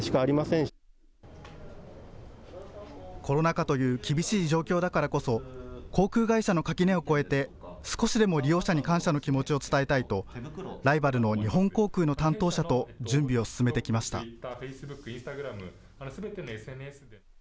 コロナ禍という厳しい状況だからこそ航空会社の垣根を越えて少しでも利用者に感謝の気持ちを伝えたいとライバルの日本航空の担当者と準備を進めてきました。